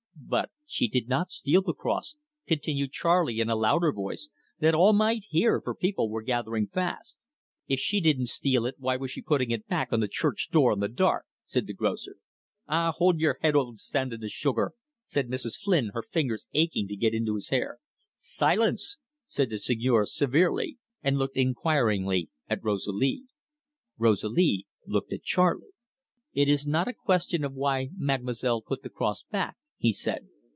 "But she did not steal the cross," continued Charley, in a louder voice, that all might hear, for people were gathering fast. "If she didn't steal it, why was she putting it back on the church door in the dark?" said the grocer. "Ah, hould y'r head, ould sand in the sugar!" said Mrs. Flynn, her fingers aching to get into his hair. "Silence!" said the Seigneur severely, and looked inquiringly at Rosalie. Rosalie looked at Charley. "It is not a question of why mademoiselle put the cross back," he said.